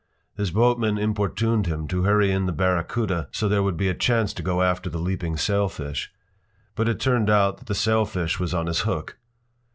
His boatman importuned him to hurry in the barracuda so there would be a chance to go after the leaping sailfish. But it turned out that the sailfish was on his hook.